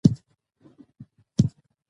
زه غنم کرم